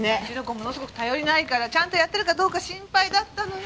ものすごく頼りないからちゃんとやってるかどうか心配だったのよ。